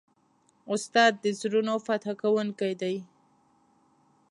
استاد د زړونو فتح کوونکی دی.